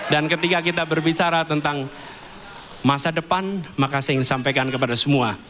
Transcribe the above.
dan ketika kita berbicara tentang masa depan maka saya ingin sampaikan kepada semua